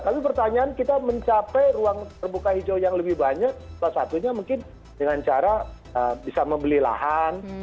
tapi pertanyaan kita mencapai ruang terbuka hijau yang lebih banyak salah satunya mungkin dengan cara bisa membeli lahan